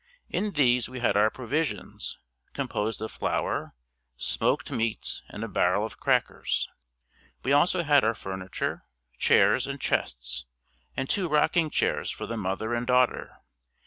In these we had our provisions, composed of flour, smoked meats and a barrel of crackers. We also had our furniture, chairs and chests and two rocking chairs for the mother and daughter.